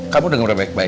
kalo gue pake seragamnya